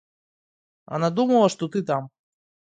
Она думала, что ты там.